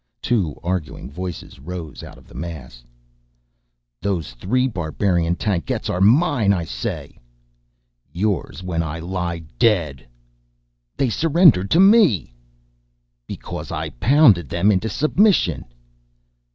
Two arguing voices rose out of the mass: "Those three barbarian tankettes are mine, I say!" "Yours when I lie dead!" "They surrendered to me!" "Because I pounded them into submission."